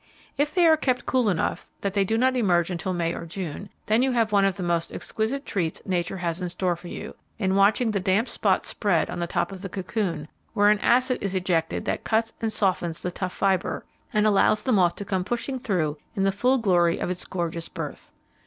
If they are kept cool enough that they do not emerge until May or June, then you have one of the most exquisite treats nature has in store for you, in watching the damp spot spread on the top of the cocoon where an acid is ejected that cuts and softens the tough fibre, and allows the moth to come pushing through in the full glory of its gorgeous birth.